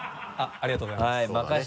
ありがとうございます。